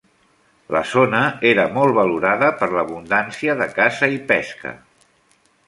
La zona era molt valorada per l'abundància de caça i pesca.